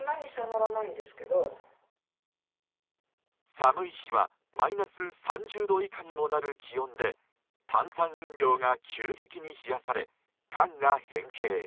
寒い日はマイナス３０度以下にもなる気温で炭酸飲料が急激に冷やされ缶が変形。